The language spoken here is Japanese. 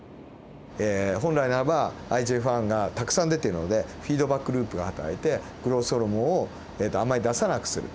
本来ならばＩＧＦ−１がたくさん出ているのでフィードバックループがはたらいてグロースホルモンをあまり出さなくする。